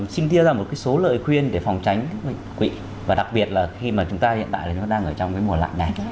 xin tiêu ra một số lời khuyên để phòng tránh các bệnh đột quỵ và đặc biệt là khi mà chúng ta hiện tại nó đang ở trong mùa lạng này